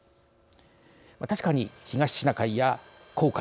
確かに東シナ海や黄海